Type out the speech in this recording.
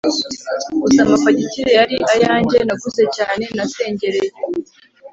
gusa amafagitire yari ayanjye naguze cyane nasengereye